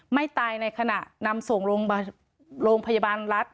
ไม่ตายในขณะนำส่งโรงพยาบาลรัฐ